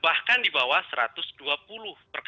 berada dalam maks espero